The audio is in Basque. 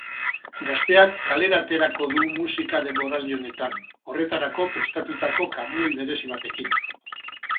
Gazteak kalera aterako du musika denboraldi honetan, horretarako prestatutako kamioi berezi batekin.